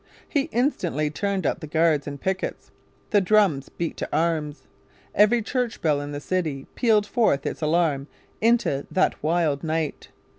He instantly turned out the guards and pickets. The drums beat to arms. Every church bell in the city pealed forth its alarm into that wild night.